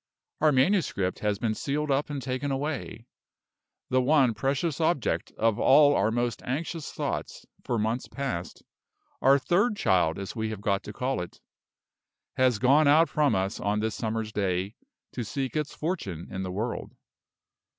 Our manuscript has been sealed up and taken away; the one precious object of all our most anxious thoughts for months past our third child, as we have got to call it has gone out from us on this summer's day, to seek its fortune in the world.